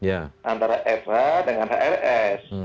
antara fr dengan hrs